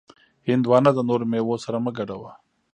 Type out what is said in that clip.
هندوانه د نورو میوو سره مه ګډوه.